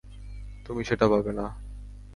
তুমি সেটা পাবে না।